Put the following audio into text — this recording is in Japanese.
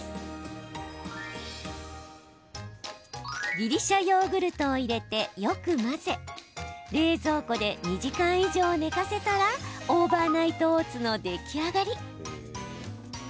ギリシャヨーグルトを入れてよく混ぜ冷蔵庫で２時間以上寝かせたらオーバーナイトオーツの出来上がり。